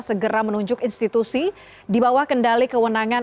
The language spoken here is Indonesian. segera menunjuk institusi di bawah kendali kewenangan